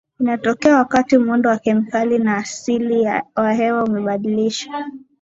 Inatokea wakati muundo wa kemikali na asili wa hewa umebadilishwa